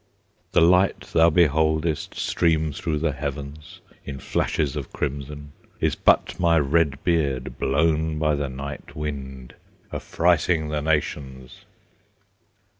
The light thou beholdest Stream through the heavens, In flashes of crimson, Is but my red beard Blown by the night wind, Affrighting the nations!